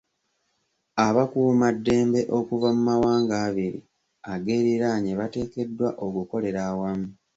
Abakuumaddembe okuva mu mawanga abiri ageeriraanye bateekeddwa okukolera awamu.